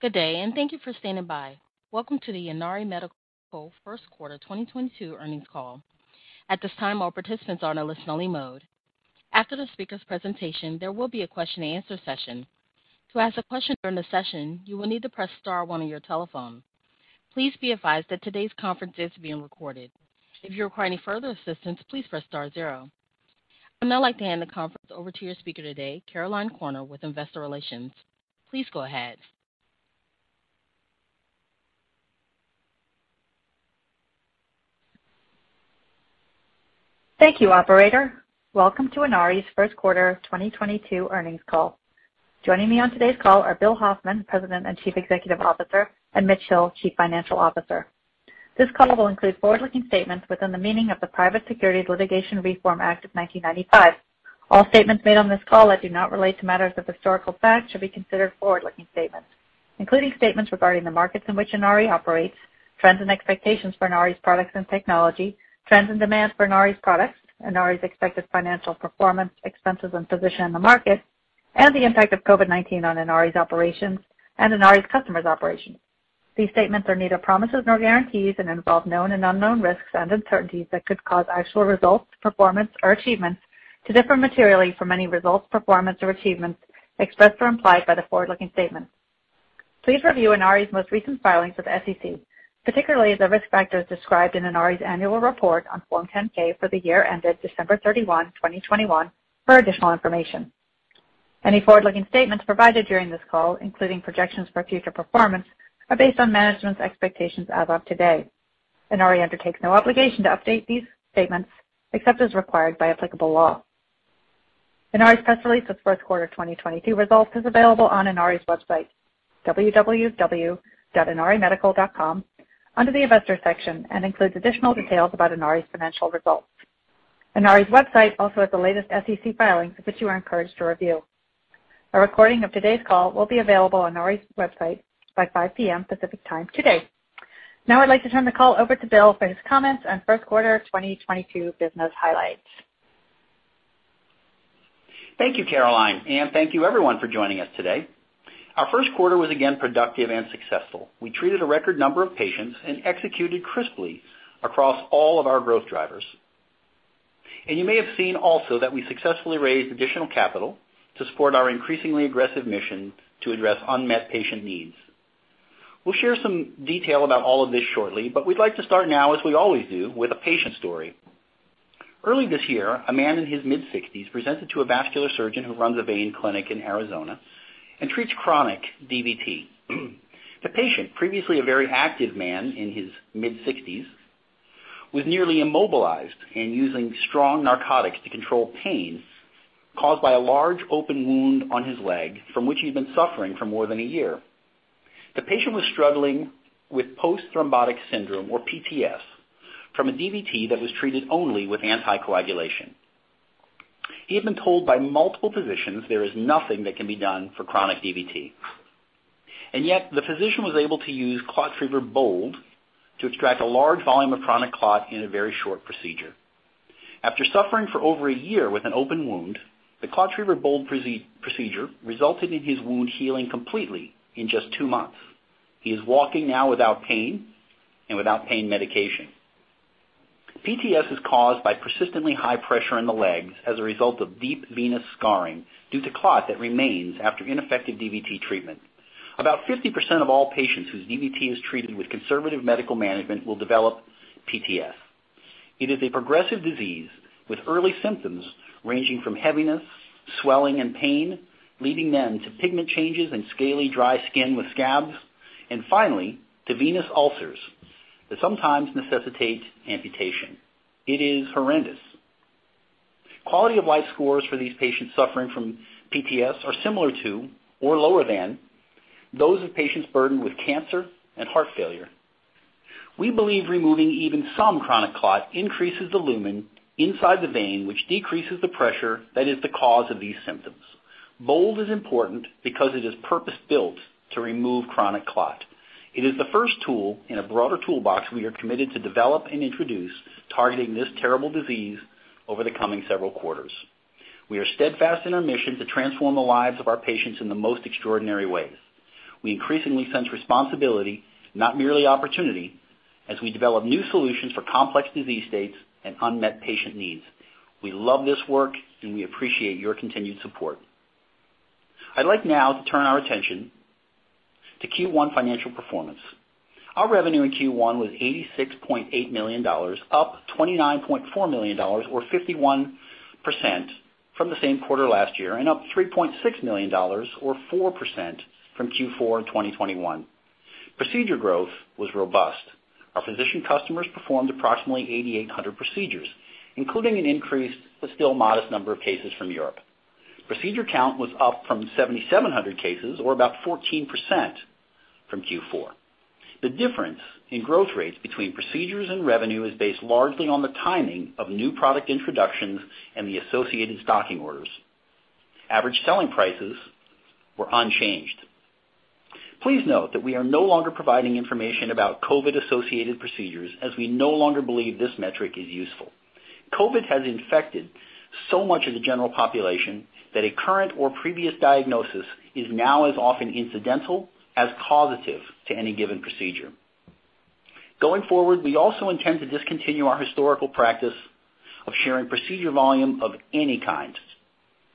Good day, and thank you for standing by. Welcome to the Inari Medical first quarter 2022 earnings call. At this time, all participants are in a listen only mode. After the speaker's presentation, there will be a question and answer session. To ask a question during the session, you will need to press star one on your telephone. Please be advised that today's conference is being recorded. If you require any further assistance, please press star zero. I'd now like to hand the conference over to your speaker today, Caroline Corner with Investor Relations. Please go ahead. Thank you, operator. Welcome to Inari's first quarter 2022 earnings call. Joining me on today's call are Bill Hoffman, President and Chief Executive Officer, and Mitch Hill, Chief Financial Officer. This call will include forward-looking statements within the meaning of the Private Securities Litigation Reform Act of 1995. All statements made on this call that do not relate to matters of historical fact should be considered forward-looking statements, including statements regarding the markets in which Inari operates, trends and expectations for Inari's products and technology, trends and demands for Inari's products, Inari's expected financial performance, expenses and position in the market, and the impact of COVID-19 on Inari's operations and Inari's customers' operations. These statements are neither promises nor guarantees and involve known and unknown risks and uncertainties that could cause actual results, performance or achievements to differ materially from any results, performance or achievements expressed or implied by the forward-looking statements. Please review Inari's most recent filings with the SEC, particularly the risk factors described in Inari's annual report on Form 10-K for the year ended December 31, 2021 for additional information. Any forward-looking statements provided during this call, including projections for future performance, are based on management's expectations as of today. Inari undertakes no obligation to update these statements except as required by applicable law. Inari's press release for the first quarter 2022 results is available on Inari's website, www.inarimedical.com, under the Investors section, and includes additional details about Inari's financial results. Inari's website also has the latest SEC filings which you are encouraged to review. A recording of today's call will be available on Inari's website by 5 P.M. Pacific Time today. Now I'd like to turn the call over to Bill for his comments on first quarter 2022 business highlights. Thank you, Caroline, and thank you everyone for joining us today. Our first quarter was again productive and successful. We treated a record number of patients and executed crisply across all of our growth drivers. You may have seen also that we successfully raised additional capital to support our increasingly aggressive mission to address unmet patient needs. We'll share some detail about all of this shortly, but we'd like to start now, as we always do, with a patient story. Early this year, a man in his mid-sixties presented to a vascular surgeon who runs a vein clinic in Arizona and treats chronic DVT. The patient, previously a very active man in his mid-sixties, was nearly immobilized and using strong narcotics to control pain caused by a large open wound on his leg from which he'd been suffering for more than a year. The patient was struggling with post-thrombotic syndrome, or PTS, from a DVT that was treated only with anticoagulation. He had been told by multiple physicians there is nothing that can be done for chronic DVT, and yet the physician was able to use ClotTriever BOLD to extract a large volume of chronic clot in a very short procedure. After suffering for over a year with an open wound, the ClotTriever BOLD procedure resulted in his wound healing completely in just two months. He is walking now without pain and without pain medication. PTS is caused by persistently high pressure in the legs as a result of deep venous scarring due to clot that remains after ineffective DVT treatment. About 50% of all patients whose DVT is treated with conservative medical management will develop PTS. It is a progressive disease with early symptoms ranging from heaviness, swelling and pain, leading then to pigment changes and scaly dry skin with scabs, and finally to venous ulcers that sometimes necessitate amputation. It is horrendous. Quality of life scores for these patients suffering from PTS are similar to or lower than those of patients burdened with cancer and heart failure. We believe removing even some chronic clot increases the lumen inside the vein, which decreases the pressure that is the cause of these symptoms. BOLD is important because it is purpose-built to remove chronic clot. It is the first tool in a broader toolbox we are committed to develop and introduce targeting this terrible disease over the coming several quarters. We are steadfast in our mission to transform the lives of our patients in the most extraordinary ways. We increasingly sense responsibility, not merely opportunity, as we develop new solutions for complex disease states and unmet patient needs. We love this work, and we appreciate your continued support. I'd like now to turn our attention to Q1 financial performance. Our revenue in Q1 was $86.8 million, up $29.4 million or 51% from the same quarter last year and up $3.6 million or 4% from Q4 2021. Procedure growth was robust. Our physician customers performed approximately 8,800 procedures, including an increased but still modest number of cases from Europe. Procedure count was up from 7,700 cases or about 14% from Q4. The difference in growth rates between procedures and revenue is based largely on the timing of new product introductions and the associated stocking orders. Average selling prices were unchanged. Please note that we are no longer providing information about COVID-associated procedures as we no longer believe this metric is useful. COVID has infected so much of the general population that a current or previous diagnosis is now as often incidental as causative to any given procedure. Going forward, we also intend to discontinue our historical practice of sharing procedure volume of any kind.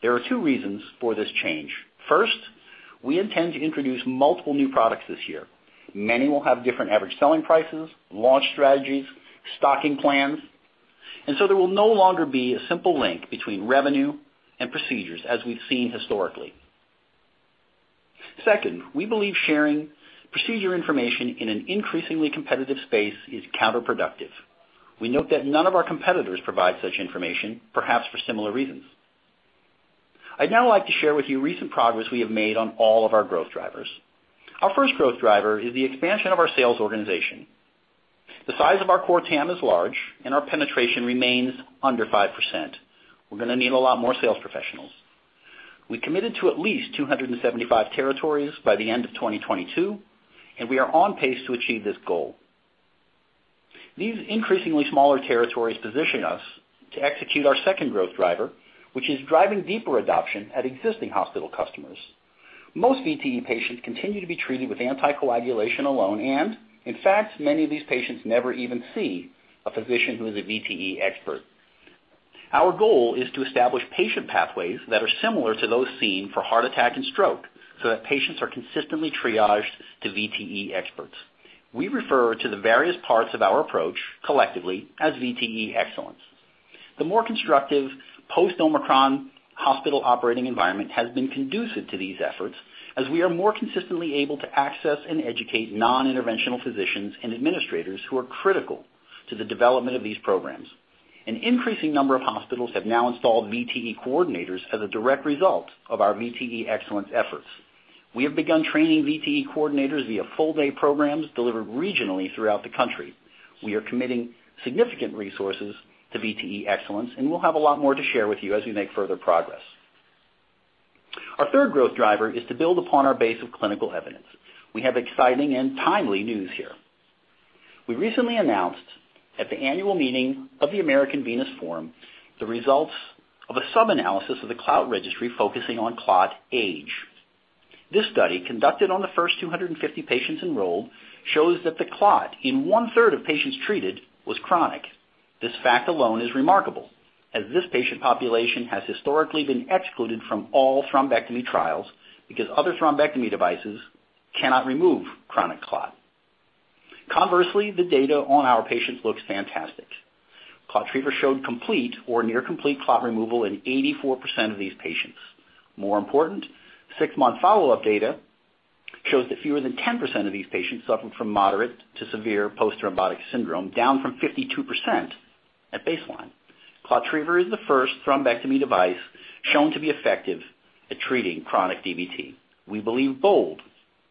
There are two reasons for this change. First, we intend to introduce multiple new products this year. Many will have different average selling prices, launch strategies, stocking plans, and so there will no longer be a simple link between revenue and procedures as we've seen historically. Second, we believe sharing procedure information in an increasingly competitive space is counterproductive. We note that none of our competitors provide such information, perhaps for similar reasons. I'd now like to share with you recent progress we have made on all of our growth drivers. Our first growth driver is the expansion of our sales organization. The size of our core TAM is large, and our penetration remains under 5%. We're gonna need a lot more sales professionals. We committed to at least 275 territories by the end of 2022, and we are on pace to achieve this goal. These increasingly smaller territories position us to execute our second growth driver, which is driving deeper adoption at existing hospital customers. Most VTE patients continue to be treated with anticoagulation alone, and in fact, many of these patients never even see a physician who is a VTE expert. Our goal is to establish patient pathways that are similar to those seen for heart attack and stroke, so that patients are consistently triaged to VTE experts. We refer to the various parts of our approach collectively as VTE Excellence. The more constructive post-Omicron hospital operating environment has been conducive to these efforts as we are more consistently able to access and educate non-interventional physicians and administrators who are critical to the development of these programs. An increasing number of hospitals have now installed VTE coordinators as a direct result of our VTE Excellence efforts. We have begun training VTE coordinators via full-day programs delivered regionally throughout the country. We are committing significant resources to VTE Excellence, and we'll have a lot more to share with you as we make further progress. Our third growth driver is to build upon our base of clinical evidence. We have exciting and timely news here. We recently announced at the annual meeting of the American Venous Forum, the results of a sub-analysis of the CLOUT registry focusing on clot age. This study, conducted on the first 250 patients enrolled, shows that the clot in one-third of patients treated was chronic. This fact alone is remarkable, as this patient population has historically been excluded from all thrombectomy trials because other thrombectomy devices cannot remove chronic clot. Conversely, the data on our patients looks fantastic. ClotTriever showed complete or near complete clot removal in 84% of these patients. More important, 6-month follow-up data shows that fewer than 10% of these patients suffered from moderate to severe post-thrombotic syndrome, down from 52% at baseline. ClotTriever is the first thrombectomy device shown to be effective at treating chronic DVT. We believe BOLD,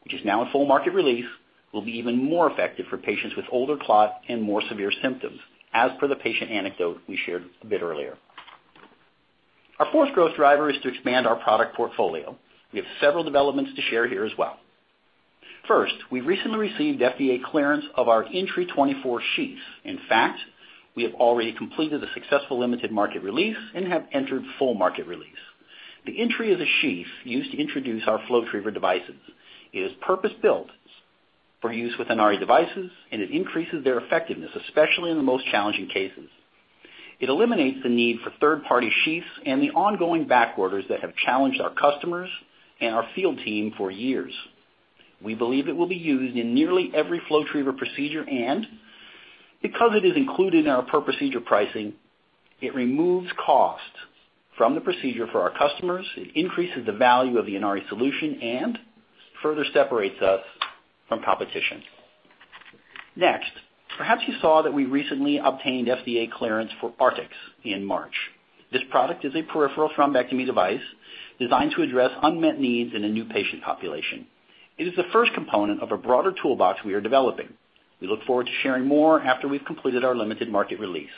which is now in full market release, will be even more effective for patients with older clot and more severe symptoms, as per the patient anecdote we shared a bit earlier. Our fourth growth driver is to expand our product portfolio. We have several developments to share here as well. First, we recently received FDA clearance of our Entry 24 sheaths. In fact, we have already completed the successful limited market release and have entered full market release. The Entry is a sheath used to introduce our FlowTriever devices. It is purpose-built for use with Inari devices, and it increases their effectiveness, especially in the most challenging cases. It eliminates the need for third-party sheaths and the ongoing back orders that have challenged our customers and our field team for years. We believe it will be used in nearly every FlowTriever procedure and because it is included in our per procedure pricing, it removes cost from the procedure for our customers, it increases the value of the Inari solution and further separates us from competition. Next, perhaps you saw that we recently obtained FDA clearance for Artix in March. This product is a peripheral thrombectomy device designed to address unmet needs in a new patient population. It is the first component of a broader toolbox we are developing. We look forward to sharing more after we've completed our limited market release.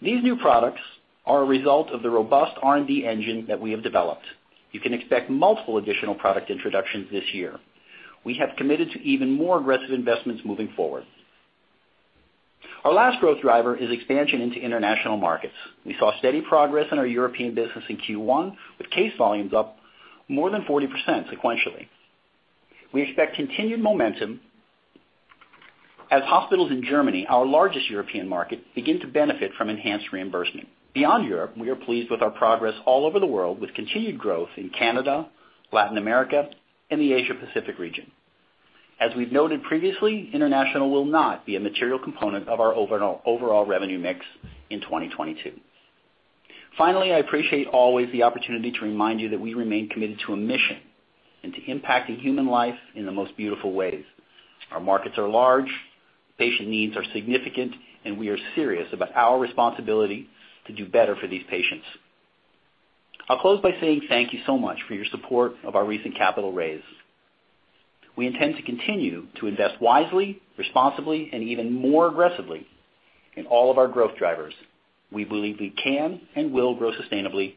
These new products are a result of the robust R&D engine that we have developed. You can expect multiple additional product introductions this year. We have committed to even more aggressive investments moving forward. Our last growth driver is expansion into international markets. We saw steady progress in our European business in Q1, with case volumes up more than 40% sequentially. We expect continued momentum as hospitals in Germany, our largest European market, begin to benefit from enhanced reimbursement. Beyond Europe, we are pleased with our progress all over the world, with continued growth in Canada, Latin America, and the Asia Pacific region. As we've noted previously, international will not be a material component of our overall revenue mix in 2022. Finally, I appreciate always the opportunity to remind you that we remain committed to a mission and to impacting human life in the most beautiful ways. Our markets are large, patient needs are significant, and we are serious about our responsibility to do better for these patients. I'll close by saying thank you so much for your support of our recent capital raise. We intend to continue to invest wisely, responsibly, and even more aggressively in all of our growth drivers. We believe we can and will grow sustainably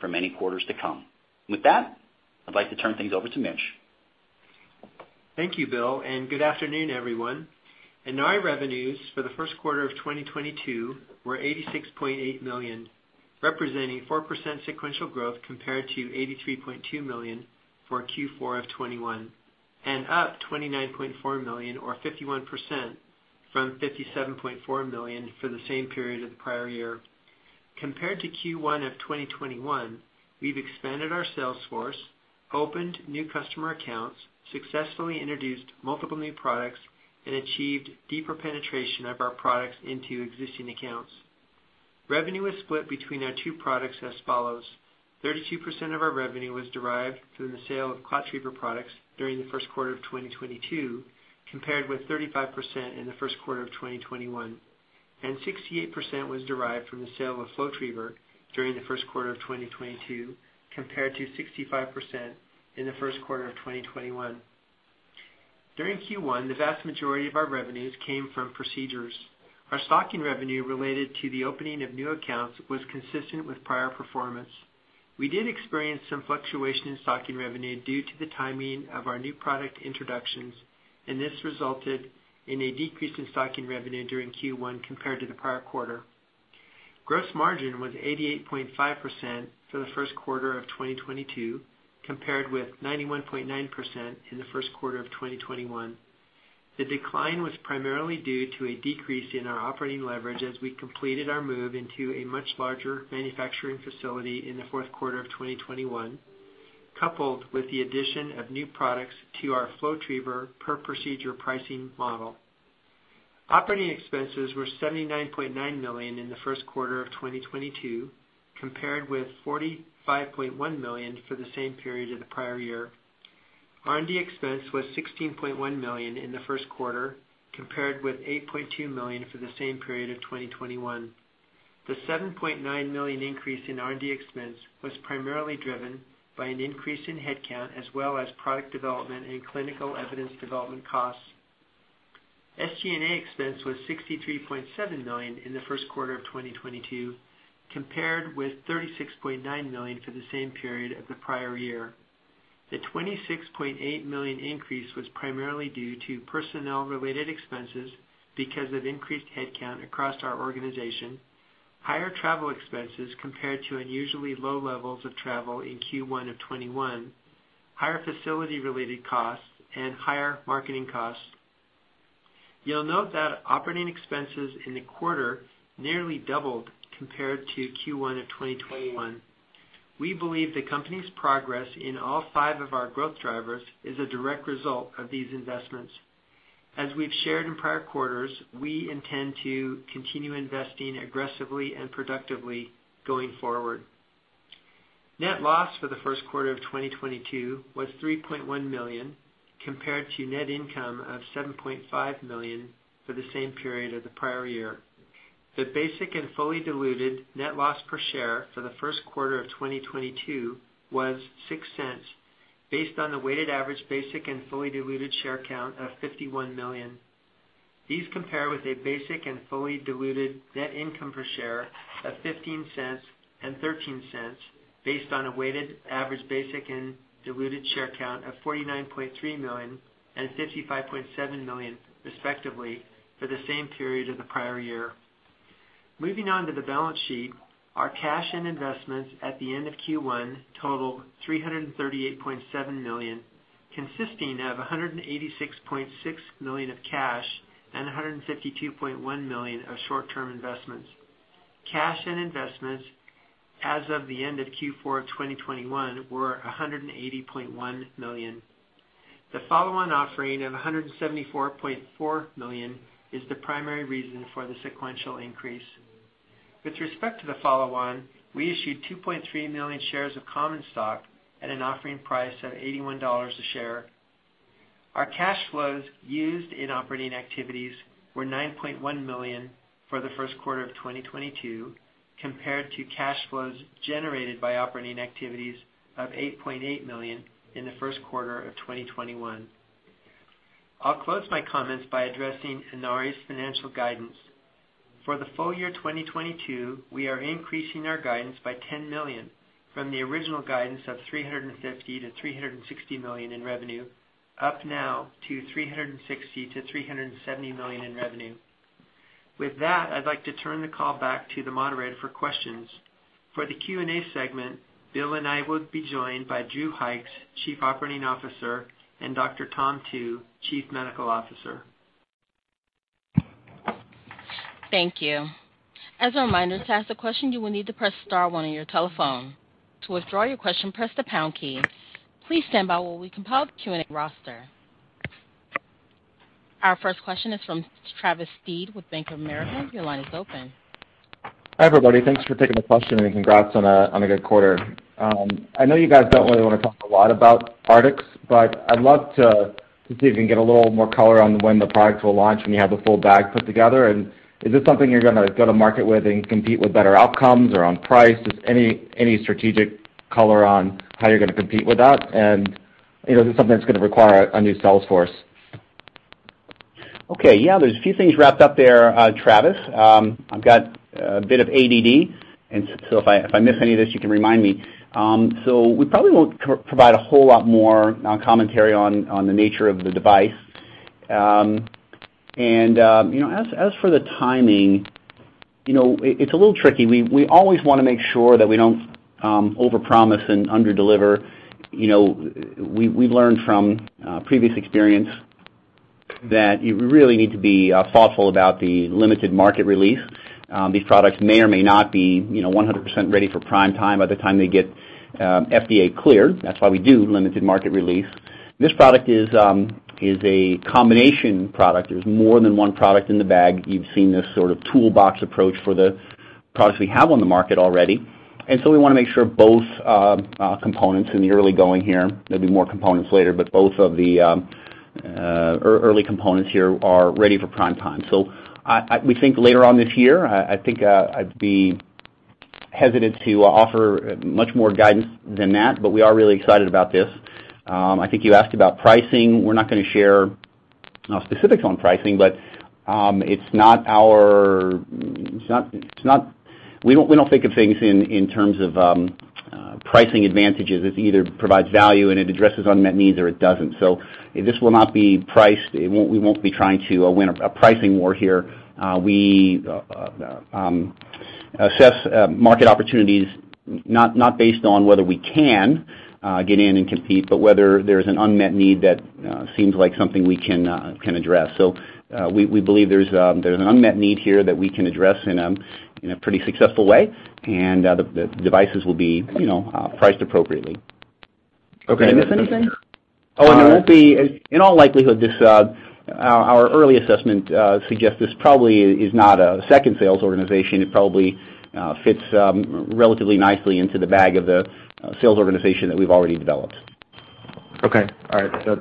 for many quarters to come. With that, I'd like to turn things over to Mitch. Thank you, Bill, and good afternoon, everyone. Inari revenues for the first quarter of 2022 were $86.8 million, representing 4% sequential growth compared to $83.2 million for Q4 of 2021, and up $29.4 million or 51% from $57.4 million for the same period of the prior year. Compared to Q1 of 2021, we've expanded our sales force, opened new customer accounts, successfully introduced multiple new products, and achieved deeper penetration of our products into existing accounts. Revenue was split between our two products as follows. 32% of our revenue was derived from the sale of ClotTriever products during the first quarter of 2022, compared with 35% in the first quarter of 2021. 68% was derived from the sale of FlowTriever during the first quarter of 2022, compared to 65% in the first quarter of 2021. During Q1, the vast majority of our revenues came from procedures. Our stocking revenue related to the opening of new accounts was consistent with prior performance. We did experience some fluctuation in stocking revenue due to the timing of our new product introductions, and this resulted in a decrease in stocking revenue during Q1 compared to the prior quarter. Gross margin was 88.5% for the first quarter of 2022, compared with 91.9% in the first quarter of 2021. The decline was primarily due to a decrease in our operating leverage as we completed our move into a much larger manufacturing facility in the fourth quarter of 2021, coupled with the addition of new products to our FlowTriever per procedure pricing model. Operating expenses were $79.9 million in the first quarter of 2022, compared with $45.1 million for the same period of the prior year. R&D expense was $16.1 million in the first quarter, compared with $8.2 million for the same period of 2021. The $7.9 million increase in R&D expense was primarily driven by an increase in headcount as well as product development and clinical evidence development costs. SG&A expense was $63.7 million in the first quarter of 2022, compared with $36.9 million for the same period of the prior year. The $26.8 million increase was primarily due to personnel related expenses because of increased headcount across our organization, higher travel expenses compared to unusually low levels of travel in Q1 of 2021, higher facility related costs, and higher marketing costs. You'll note that operating expenses in the quarter nearly doubled compared to Q1 of 2021. We believe the company's progress in all five of our growth drivers is a direct result of these investments. As we've shared in prior quarters, we intend to continue investing aggressively and productively going forward. Net loss for the first quarter of 2022 was $3.1 million, compared to net income of $7.5 million for the same period of the prior year. The basic and fully diluted net loss per share for the first quarter of 2022 was $0.06 based on the weighted average basic and fully diluted share count of 51 million. These compare with a basic and fully diluted net income per share of $0.15 and $0.13 based on a weighted average basic and diluted share count of 49.3 million and 55.7 million, respectively, for the same period of the prior year. Moving on to the balance sheet. Our cash and investments at the end of Q1 totaled $338.7 million, consisting of $186.6 million of cash and $152.1 million of short-term investments. Cash and investments as of the end of Q4 of 2021 were $180.1 million. The follow-on offering of $174.4 million is the primary reason for the sequential increase. With respect to the follow-on, we issued 2.3 million shares of common stock at an offering price of $81 a share. Our cash flows used in operating activities were $9.1 million for the first quarter of 2022, compared to cash flows generated by operating activities of $8.8 million in the first quarter of 2021. I'll close my comments by addressing Inari's financial guidance. For the full year 2022, we are increasing our guidance by $10 million from the original guidance of $350 million-$360 million in revenue, up now to $360 million-$370 million in revenue. With that, I'd like to turn the call back to the moderator for questions. For the Q&A segment, Bill and I will be joined by Drew Hykes, Chief Operating Officer, and Dr. Thomas Tu, Chief Medical Officer. Thank you. As a reminder, to ask a question, you will need to press star one on your telephone. To withdraw your question, press the pound key. Please stand by while we compile the Q&A roster. Our first question is from Travis Steed with Bank of America. Your line is open. Hi, everybody. Thanks for taking the question and congrats on a good quarter. I know you guys don't really wanna talk a lot about products, but I'd love to see if we can get a little more color on when the products will launch and you have the full bag put together. Is this something you're gonna go to market with and compete with better outcomes or on price? Just any strategic color on how you're gonna compete with that. You know, is this something that's gonna require a new sales force? Okay. Yeah, there's a few things wrapped up there, Travis. I've got a bit of ADD, and so if I miss any of this, you can remind me. We probably won't provide a whole lot more commentary on the nature of the device. You know, as for the timing, you know, it's a little tricky. We always wanna make sure that we don't overpromise and underdeliver. You know, we've learned from previous experience that you really need to be thoughtful about the limited market release. These products may or may not be, you know, 100% ready for prime time by the time they get FDA cleared. That's why we do limited market release. This product is a combination product. There's more than one product in the bag. You've seen this sort of toolbox approach for the products we have on the market already. We wanna make sure both components in the early going here, there'll be more components later, but both of the early components here are ready for prime time. We think later on this year. I think I'd be hesitant to offer much more guidance than that, but we are really excited about this. I think you asked about pricing. We're not gonna share specifics on pricing, but it's not our. It's not. We don't think of things in terms of pricing advantages. It either provides value and it addresses unmet needs or it doesn't. This will not be priced. We won't be trying to win a pricing war here. We assess market opportunities not based on whether we can get in and compete, but whether there's an unmet need that seems like something we can address. We believe there's an unmet need here that we can address in a pretty successful way, and the devices will be, you know, priced appropriately. Okay. Did I miss anything? Oh, in all likelihood, this, our early assessment, suggests this probably is not a second sales organization. It probably fits relatively nicely into the bag of the sales organization that we've already developed. Okay. All right. That's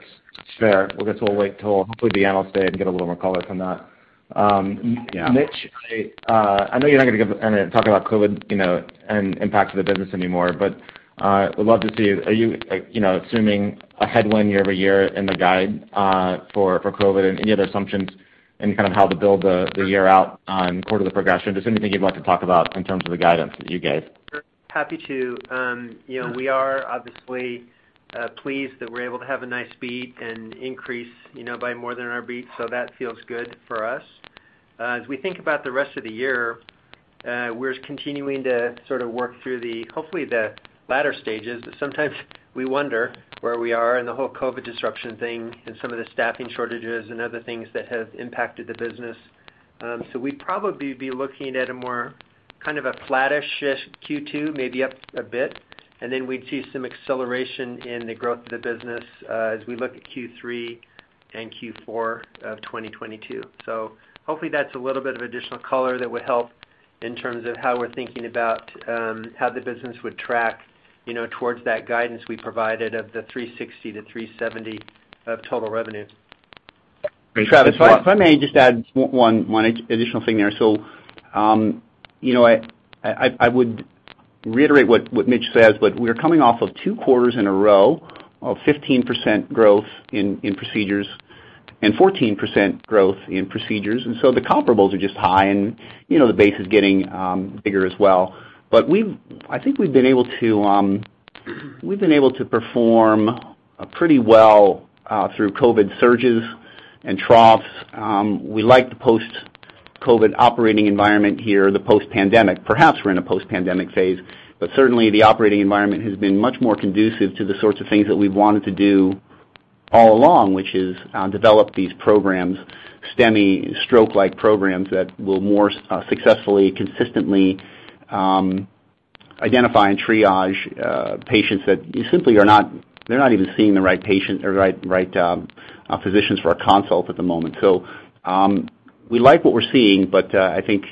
fair. I guess we'll wait till hopefully the analyst day and get a little more color from that. Yeah. Mitch, I know you're not gonna—I mean, talk about COVID, you know, and impact to the business anymore, but would love to see. Are you know, assuming a headwind year-over-year in the guide for COVID and any other assumptions and kind of how to build the year out on quarter progression? Just anything you'd like to talk about in terms of the guidance that you gave. Happy to. You know, we are obviously pleased that we're able to have a nice beat and increase, you know, by more than our beat, so that feels good for us. As we think about the rest of the year, we're continuing to sort of work through the, hopefully the latter stages. Sometimes we wonder where we are in the whole COVID disruption thing and some of the staffing shortages and other things that have impacted the business. We'd probably be looking at a more kind of a flattish Q2, maybe up a bit, and then we'd see some acceleration in the growth of the business, as we look at Q3 and Q4 of 2022. Hopefully that's a little bit of additional color that would help in terms of how we're thinking about how the business would track, you know, towards that guidance we provided of the $360 million-$370 million of total revenue. Travis, if I may just add one additional thing there. You know, I would reiterate what Mitch says, but we're coming off of two quarters in a row of 15% growth in procedures and 14% growth in procedures. The comparables are just high and, you know, the base is getting bigger as well. But I think we've been able to perform pretty well through COVID surges and troughs. We like the post-COVID operating environment here, the post-pandemic. Perhaps we're in a post-pandemic phase, but certainly the operating environment has been much more conducive to the sorts of things that we've wanted to do all along, which is, develop these programs, STEMI stroke-like programs that will more, successfully, consistently, identify and triage, patients that simply are not even seeing the right patient or right, physicians for our consult at the moment. We like what we're seeing, but I think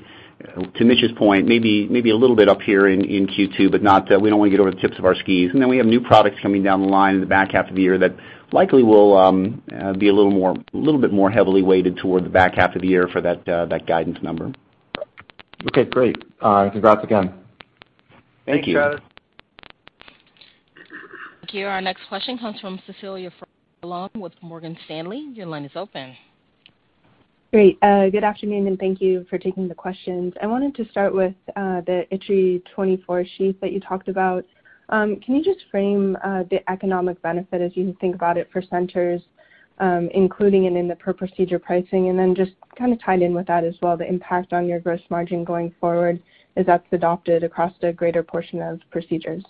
to Mitch's point, maybe a little bit up here in Q2, but not. We don't wanna get over the tips of our skis. We have new products coming down the line in the back half of the year that likely will be a little bit more heavily weighted toward the back half of the year for that guidance number. Okay, great. Congrats again. Thank you. Thanks, Travis. Thank you. Our next question comes from Cecilia Furlong with Morgan Stanley. Your line is open. Great. Good afternoon, and thank you for taking the questions. I wanted to start with the Entry 24 sheath that you talked about. Can you just frame the economic benefit as you think about it for centers, including it in the per procedure pricing? Just kinda tied in with that as well, the impact on your gross margin going forward as that's adopted across the greater portion of procedures.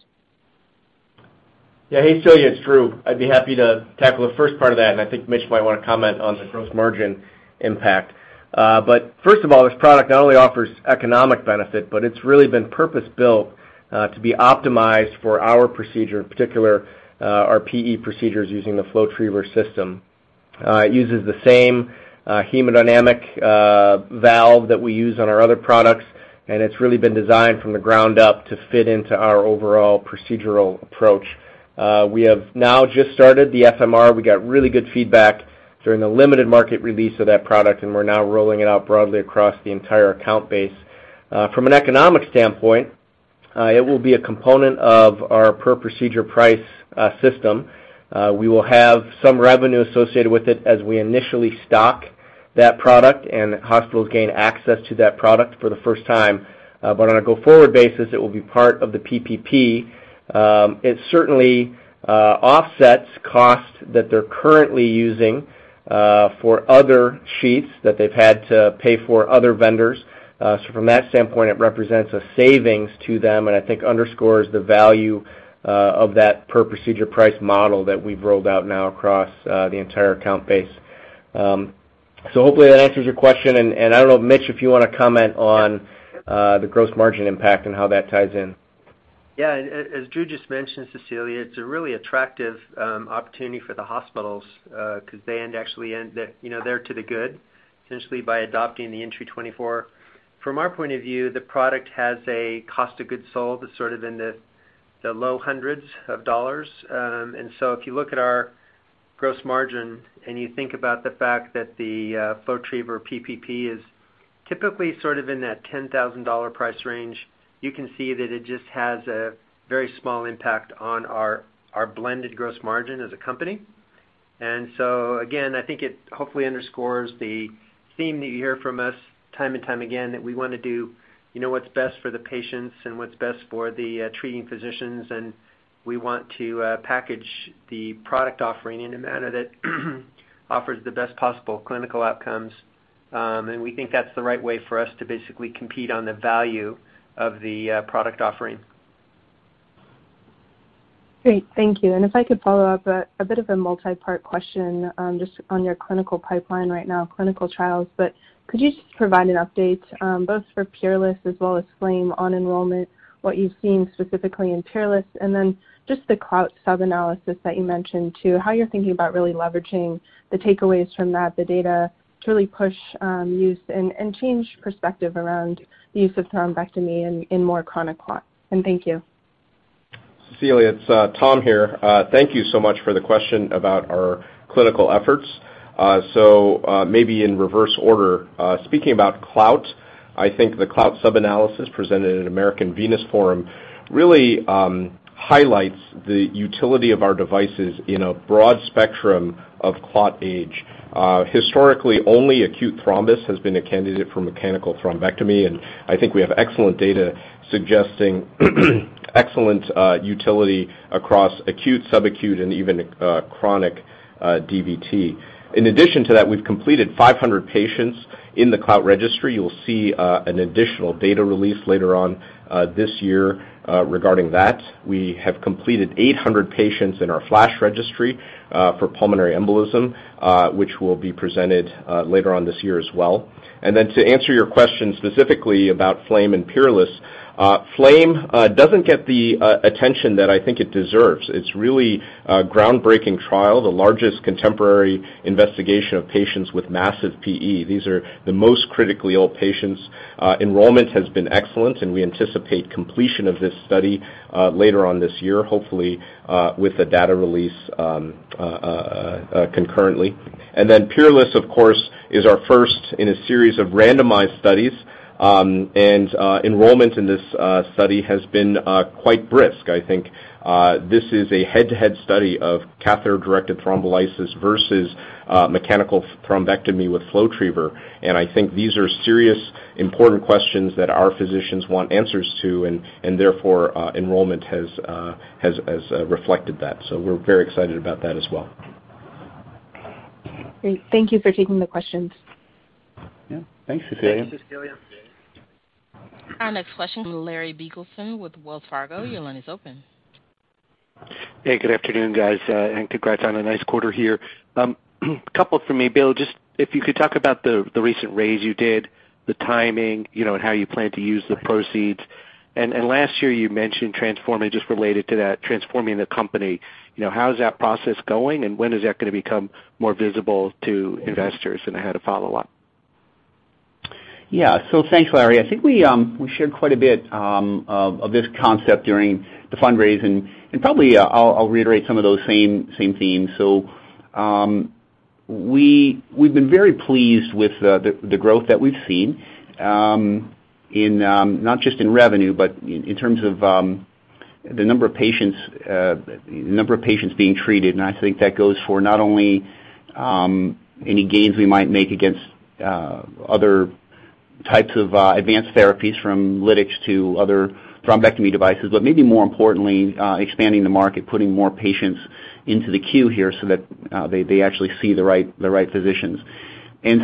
Yeah. Hey, Cecilia Furlong, it's Drew Hykes. I'd be happy to tackle the first part of that, and I think Mitch Hill might wanna comment on the gross margin impact. First of all, this product not only offers economic benefit, but it's really been purpose-built to be optimized for our procedure, in particular, our PE procedures using the FlowTriever system. It uses the same hemodynamic valve that we use on our other products, and it's really been designed from the ground up to fit into our overall procedural approach. We have now just started the FMR. We got really good feedback during the limited market release of that product, and we're now rolling it out broadly across the entire account base. From an economic standpoint, it will be a component of our per procedure price system. We will have some revenue associated with it as we initially stock that product and hospitals gain access to that product for the first time. On a go-forward basis, it will be part of the PPP. It certainly offsets costs that they're currently using for other sheaths that they've had to pay for other vendors. From that standpoint, it represents a savings to them, and I think underscores the value of that per procedure price model that we've rolled out now across the entire account base. Hopefully that answers your question. I don't know, Mitch, if you wanna comment on the gross margin impact and how that ties in. Yeah. As Drew just mentioned, Cecilia, it's a really attractive opportunity for the hospitals, 'cause they end up to the good essentially by adopting the Entry 24. From our point of view, the product has a cost of goods sold that's sort of in the low hundreds of dollars. If you look at our gross margin and you think about the fact that the FlowTriever PPP is typically sort of in that $10,000 price range, you can see that it just has a very small impact on our blended gross margin as a company. Again, I think it hopefully underscores the theme that you hear from us time and time again, that we wanna do, you know, what's best for the patients and what's best for the treating physicians, and we want to package the product offering in a manner that offers the best possible clinical outcomes. We think that's the right way for us to basically compete on the value of the product offering. Great. Thank you. If I could follow up, a bit of a multi-part question, just on your clinical pipeline right now, clinical trials. Could you just provide an update, both for PEERLESS as well as FLAME on enrollment, what you've seen specifically in PEERLESS, and then just the CLOUT sub-analysis that you mentioned too, how you're thinking about really leveraging the takeaways from that, the data to really push, use and change perspective around the use of thrombectomy in more chronic clot? Thank you. Cecilia, it's Tom here. Thank you so much for the question about our clinical efforts. Maybe in reverse order. Speaking about CLOUT, I think the CLOUT sub-analysis presented in American Venous Forum really highlights the utility of our devices in a broad spectrum of clot age. Historically, only acute thrombus has been a candidate for mechanical thrombectomy, and I think we have excellent data suggesting excellent utility across acute, subacute, and even chronic DVT. In addition to that, we've completed 500 patients in the CLOUT registry. You'll see an additional data release later on this year regarding that. We have completed 800 patients in our FLASH registry for pulmonary embolism, which will be presented later on this year as well. To answer your question specifically about FLAME and PEERLESS, FLAME doesn't get the attention that I think it deserves. It's really a groundbreaking trial, the largest contemporary investigation of patients with massive PE. These are the most critically ill patients. Enrollment has been excellent, and we anticipate completion of this study later on this year, hopefully, with a data release concurrently. PEERLESS, of course, is our first in a series of randomized studies. Enrollment in this study has been quite brisk. I think this is a head-to-head study of catheter-directed thrombolysis versus mechanical thrombectomy with FlowTriever. I think these are serious, important questions that our physicians want answers to, and therefore enrollment has reflected that. We're very excited about that as well. Great. Thank you for taking the questions. Yeah. Thanks, Cecilia. Thanks, Cecilia. Our next question, Larry Biegelsen with Wells Fargo. Your line is open. Hey, good afternoon, guys, and congrats on a nice quarter here. A couple for me. Bill, just if you could talk about the recent raise you did, the timing, you know, and how you plan to use the proceeds. Last year you mentioned transforming, just related to that, transforming the company. You know, how is that process going, and when is that gonna become more visible to investors? I had a follow-up. Yeah. Thanks, Larry. I think we shared quite a bit of this concept during the fundraising, and probably, I'll reiterate some of those same themes. We’ve been very pleased with the growth that we’ve seen in not just revenue, but in terms of the number of patients being treated. I think that goes for not only any gains we might make against other types of advanced therapies from lytics to other thrombectomy devices, but maybe more importantly, expanding the market, putting more patients into the queue here so that they actually see the right physicians. We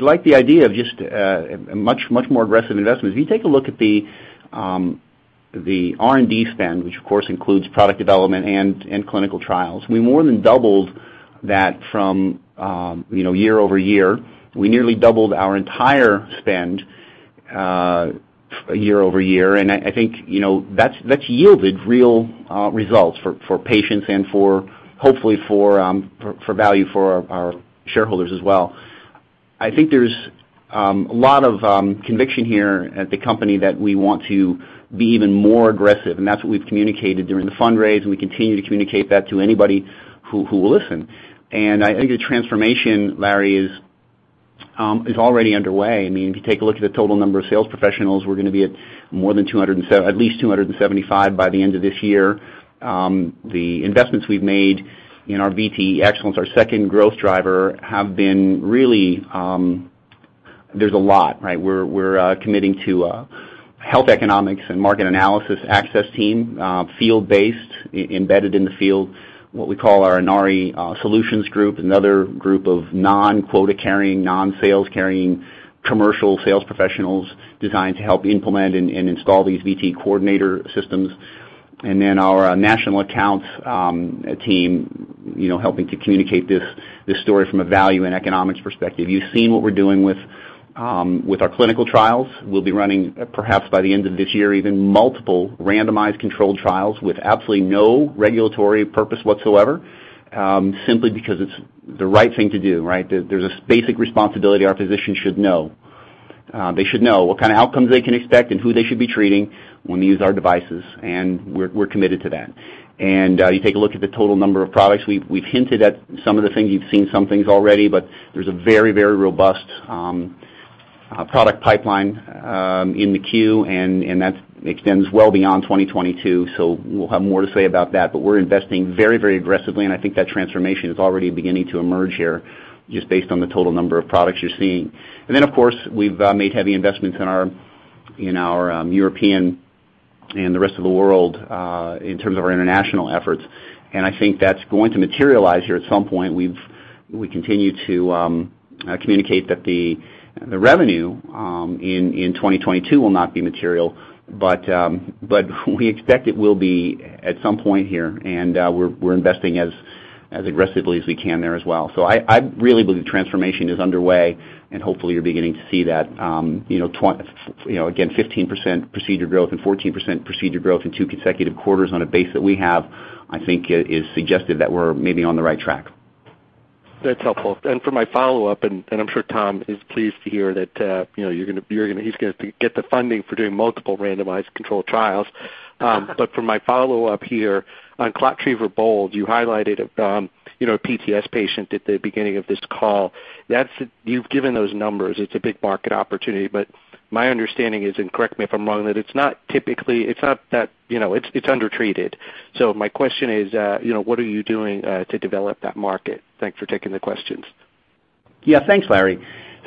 like the idea of just a much more aggressive investment. If you take a look at the R&D spend, which of course includes product development and clinical trials, we more than doubled that from you know year-over-year. We nearly doubled our entire spend year-over-year, and I think you know that's yielded real results for patients and hopefully for value for our shareholders as well. I think there's a lot of conviction here at the company that we want to be even more aggressive, and that's what we've communicated during the fundraise, and we continue to communicate that to anybody who will listen. I think the transformation, Larry, is already underway. I mean, if you take a look at the total number of sales professionals, we're gonna be at more than 275 by the end of this year. The investments we've made in our VTE Excellence, our second growth driver, have been really. There's a lot, right? We're committing to health economics and market analysis access team, field-based, embedded in the field, what we call our Inari Solutions group, another group of non-quota-carrying, non-sales-carrying commercial sales professionals designed to help implement and install these VTE coordinator systems. Then our national accounts team, you know, helping to communicate this story from a value and economics perspective. You've seen what we're doing with our clinical trials. We'll be running perhaps by the end of this year, even multiple randomized controlled trials with absolutely no regulatory purpose whatsoever, simply because it's the right thing to do, right? There's this basic responsibility our physicians should know. They should know what kind of outcomes they can expect and who they should be treating when they use our devices, and we're committed to that. You take a look at the total number of products. We've hinted at some of the things. You've seen some things already, but there's a very, very robust product pipeline in the queue, and that extends well beyond 2022, so we'll have more to say about that. We're investing very, very aggressively, and I think that transformation is already beginning to emerge here, just based on the total number of products you're seeing. Then, of course, we've made heavy investments in our European and the rest of the world in terms of our international efforts. I think that's going to materialize here at some point. We continue to communicate that the revenue in 2022 will not be material, but we expect it will be at some point here. We're investing as aggressively as we can there as well. I really believe transformation is underway, and hopefully you're beginning to see that. You know, again, 15% procedure growth and 14% procedure growth in two consecutive quarters on a base that we have, I think is suggestive that we're maybe on the right track. That's helpful. For my follow-up, and I'm sure Tom is pleased to hear that, you know, he's gonna get the funding for doing multiple randomized controlled trials. For my follow-up here on ClotTriever BOLD, you highlighted, you know, a PTS patient at the beginning of this call. You've given those numbers. It's a big market opportunity. My understanding is, and correct me if I'm wrong, that it's not typically. It's not that. You know, it's undertreated. My question is, you know, what are you doing to develop that market? Thanks for taking the questions. Yeah. Thanks, Larry.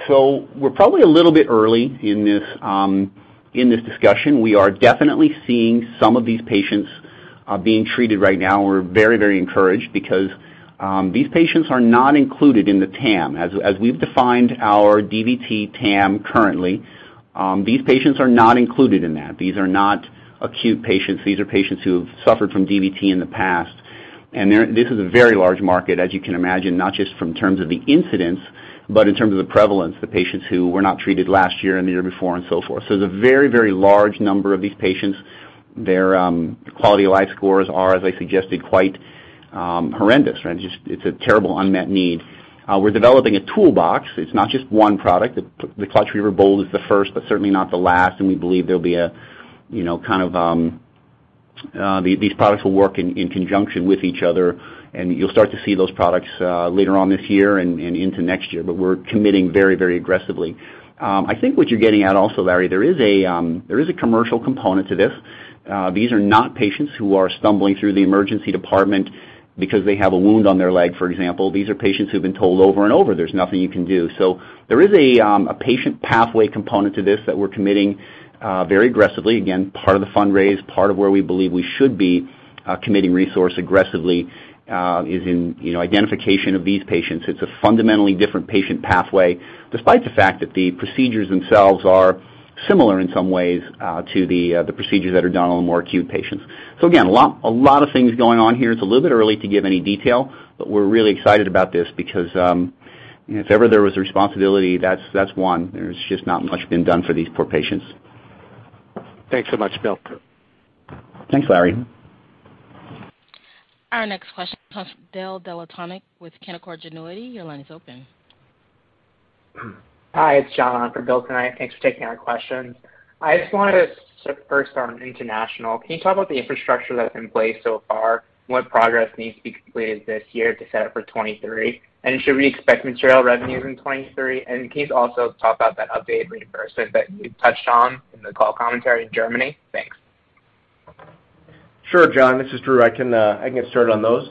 We're probably a little bit early in this discussion. We are definitely seeing some of these patients being treated right now. We're very, very encouraged because these patients are not included in the TAM. As we've defined our DVT TAM currently, these patients are not included in that. These are not acute patients. These are patients who have suffered from DVT in the past. This is a very large market, as you can imagine, not just in terms of the incidence, but in terms of the prevalence, the patients who were not treated last year and the year before and so forth. There's a very, very large number of these patients. Their quality of life scores are, as I suggested, quite horrendous, right? Just it's a terrible unmet need. We're developing a toolbox. It's not just one product. The ClotTriever BOLD is the first, but certainly not the last, and we believe these products will work in conjunction with each other, and you'll start to see those products later on this year and into next year, but we're committing very aggressively. I think what you're getting at also, Larry, there is a commercial component to this. These are not patients who are stumbling through the emergency department because they have a wound on their leg, for example. These are patients who've been told over and over, there's nothing you can do. There is a patient pathway component to this that we're committing very aggressively. Again, part of the fundraise, part of where we believe we should be committing resource aggressively, is in, you know, identification of these patients. It's a fundamentally different patient pathway, despite the fact that the procedures themselves are similar in some ways to the procedures that are done on more acute patients. Again, a lot of things going on here. It's a little bit early to give any detail, but we're really excited about this because if ever there was a responsibility, that's one. There's just not much been done for these poor patients. Thanks so much, Bill. Thanks, Larry. Our next question comes from David Delahunt with Canaccord Genuity. Your line is open. Hi, it's John on for Bill tonight. Thanks for taking our questions. I just wanted to start first on international. Can you talk about the infrastructure that's in place so far and what progress needs to be completed this year to set up for 2023? Should we expect material revenues in 2023? Can you also talk about that updated reimbursement that you touched on in the call commentary in Germany? Thanks. Sure, John, this is Drew. I can get started on those.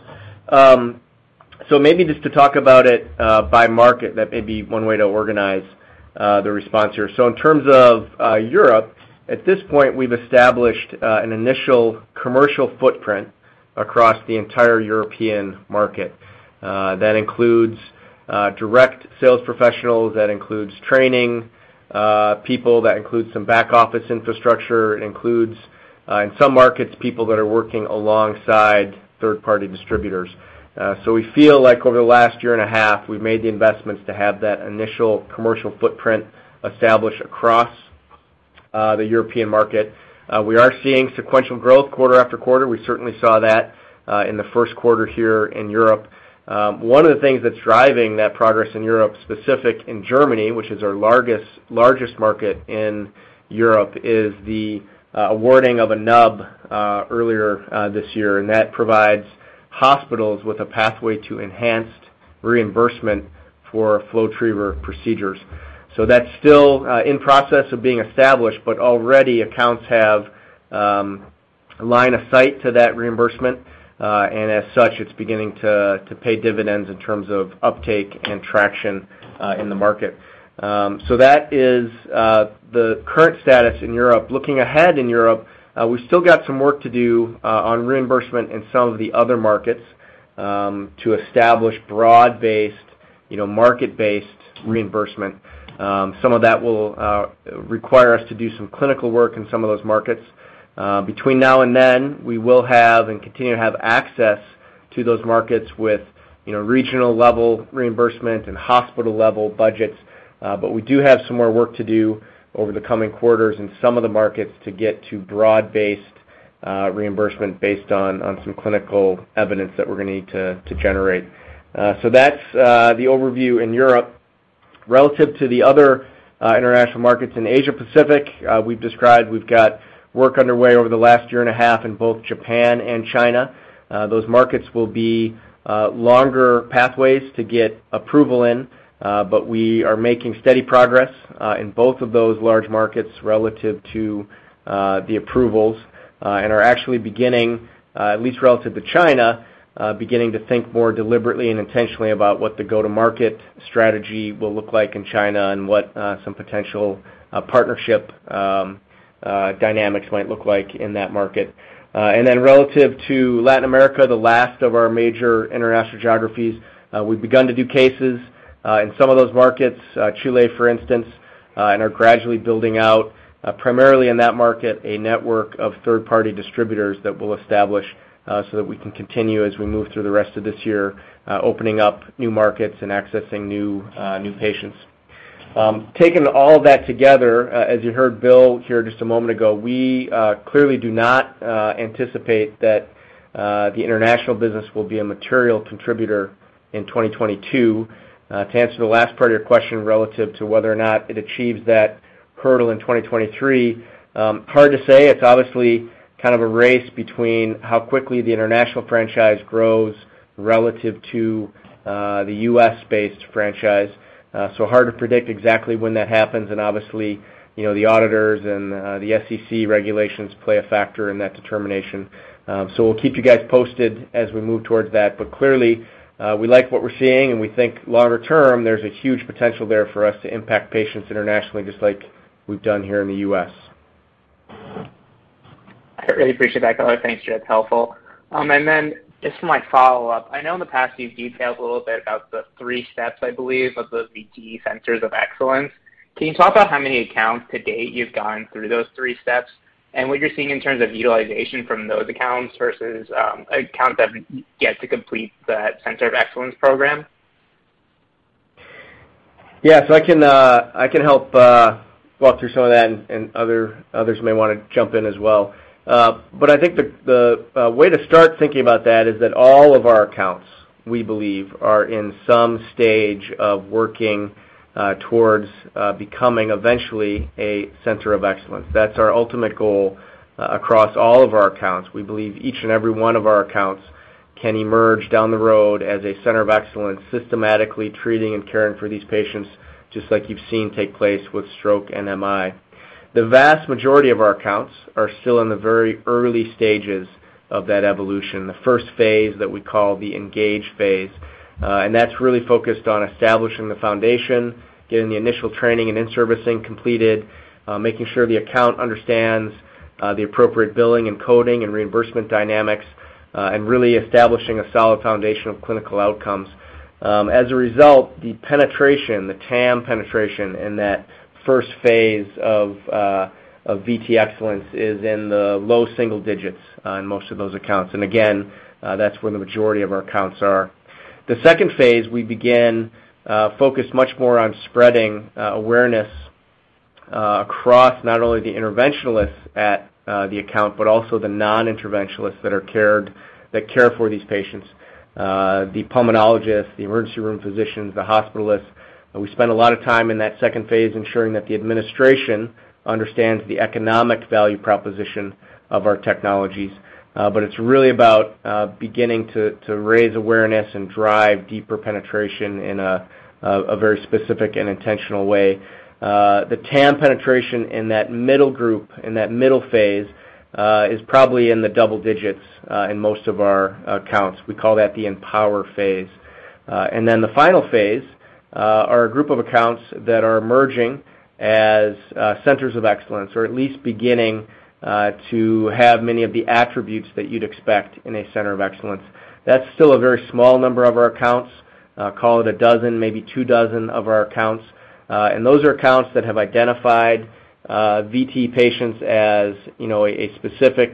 Maybe just to talk about it by market, that may be one way to organize the response here. In terms of Europe, at this point, we've established an initial commercial footprint across the entire European market. That includes direct sales professionals. That includes training people. That includes some back-office infrastructure. It includes in some markets people that are working alongside third-party distributors. We feel like over the last year and a half, we've made the investments to have that initial commercial footprint established across the European market. We are seeing sequential growth quarter after quarter. We certainly saw that in the first quarter here in Europe. One of the things that's driving that progress in Europe, specifically in Germany, which is our largest market in Europe, is the awarding of a NTAP earlier this year. That provides hospitals with a pathway to enhanced reimbursement for FlowTriever procedures. That's still in process of being established, but already accounts have a line of sight to that reimbursement. And as such, it's beginning to pay dividends in terms of uptake and traction in the market. That is the current status in Europe. Looking ahead in Europe, we've still got some work to do on reimbursement in some of the other markets to establish broad-based, you know, market-based reimbursement. Some of that will require us to do some clinical work in some of those markets. Between now and then, we will have and continue to have access to those markets with, you know, regional-level reimbursement and hospital-level budgets. We do have some more work to do over the coming quarters in some of the markets to get to broad-based reimbursement based on some clinical evidence that we're gonna need to generate. That's the overview in Europe. Relative to the other international markets in Asia Pacific, we've got work underway over the last year and a half in both Japan and China. Those markets will be longer pathways to get approval in, but we are making steady progress in both of those large markets relative to the approvals, and are actually beginning, at least relative to China, to think more deliberately and intentionally about what the go-to-market strategy will look like in China and what some potential partnership dynamics might look like in that market. Relative to Latin America, the last of our major international geographies, we've begun to do cases in some of those markets, Chile, for instance, and are gradually building out, primarily in that market, a network of third-party distributors that we'll establish so that we can continue as we move through the rest of this year, opening up new markets and accessing new patients. Taking all that together, as you heard Bill here just a moment ago, we clearly do not anticipate that the international business will be a material contributor in 2022. To answer the last part of your question relative to whether or not it achieves that hurdle in 2023, hard to say. It's obviously kind of a race between how quickly the international franchise grows relative to the U.S.-based franchise. Hard to predict exactly when that happens. Obviously, you know, the auditors and the SEC regulations play a factor in that determination. We'll keep you guys posted as we move towards that. Clearly, we like what we're seeing, and we think longer term, there's a huge potential there for us to impact patients internationally, just like we've done here in the U.S. I really appreciate that color. Thanks, Drew. That's helpful. Just for my follow-up, I know in the past you've detailed a little bit about the three steps, I believe, of the VTE Centers of Excellence. Can you talk about how many accounts to date you've gone through those three steps and what you're seeing in terms of utilization from those accounts versus, accounts that have yet to complete that Center of Excellence program? Yeah. I can help walk through some of that, and others may wanna jump in as well. I think the way to start thinking about that is that all of our accounts, we believe, are in some stage of working towards becoming eventually a center of excellence. That's our ultimate goal across all of our accounts. We believe each and every one of our accounts can emerge down the road as a center of excellence, systematically treating and caring for these patients, just like you've seen take place with stroke and MI. The vast majority of our accounts are still in the very early stages of that evolution, the first phase that we call the Engage phase. That's really focused on establishing the foundation, getting the initial training and in-servicing completed, making sure the account understands the appropriate billing and coding and reimbursement dynamics, and really establishing a solid foundation of clinical outcomes. As a result, the penetration, the TAM penetration in that first phase of VTE Excellence is in the low single digits on most of those accounts. Again, that's where the majority of our accounts are. The second phase, we begin focus much more on spreading awareness across not only the interventionalists at the account, but also the non-interventionalists that care for these patients, the pulmonologists, the emergency room physicians, the hospitalists. We spend a lot of time in that second phase ensuring that the administration understands the economic value proposition of our technologies. It's really about beginning to raise awareness and drive deeper penetration in a very specific and intentional way. The TAM penetration in that middle group, in that middle phase, is probably in the double digits in most of our accounts. We call that the Empower phase. Then the final phase are a group of accounts that are emerging as centers of excellence, or at least beginning to have many of the attributes that you'd expect in a center of excellence. That's still a very small number of our accounts, call it a dozen, maybe two dozen of our accounts. Those are accounts that have identified VTE patients as, you know, a specific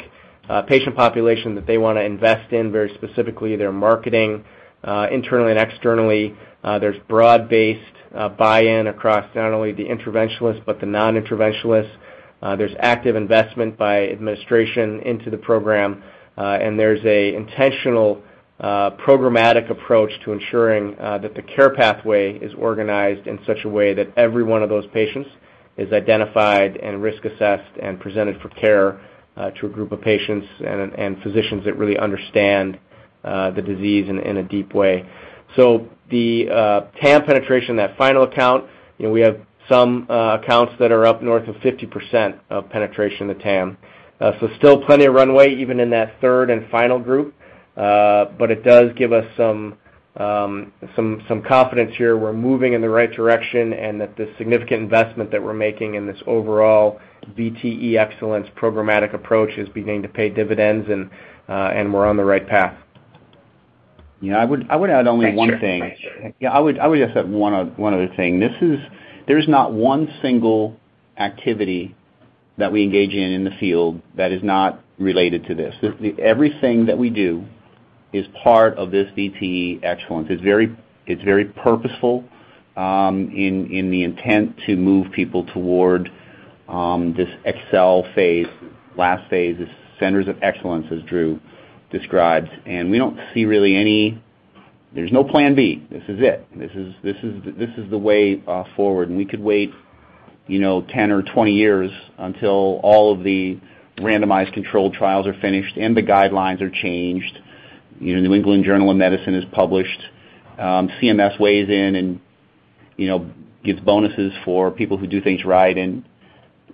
patient population that they wanna invest in very specifically their marketing, internally and externally. There's broad-based buy-in across not only the interventionalists but the non-interventionalists. There's active investment by administration into the program, and there's an intentional programmatic approach to ensuring that the care pathway is organized in such a way that every one of those patients is identified and risk assessed and presented for care to a group of patients and physicians that really understand the disease in a deep way. The TAM penetration, that final account, you know, we have some accounts that are up north of 50% of penetration in the TAM. Still plenty of runway even in that third and final group. It does give us some confidence here we're moving in the right direction, and that the significant investment that we're making in this overall VTE Excellence programmatic approach is beginning to pay dividends, and we're on the right path. You know, I would add only one thing. Thanks, Jeff. I would just add one other thing. This is. There's not one single activity that we engage in the field that is not related to this. Everything that we do is part of this VTE Excellence. It's very purposeful in the intent to move people toward this Excel phase, last phase, the centers of excellence, as Drew described. We don't see really any. There's no plan B. This is it. This is the way forward. We could wait, you know, 10 or 20 years until all of the randomized controlled trials are finished and the guidelines are changed. You know, The New England Journal of Medicine is published. CMS weighs in and, you know, gives bonuses for people who do things right and